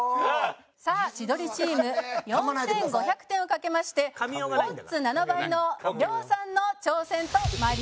さあ千鳥チーム４５００点を賭けましてオッズ７倍の亮さんの挑戦と参ります。